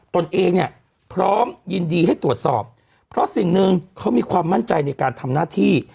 ตนเองเนี่ยพร้อมยินดีให้ตรวจสอบเพราะสิ่งหนึ่งเขามีความมั่นใจในการทำหน้าที่